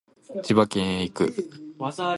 千葉県へ行く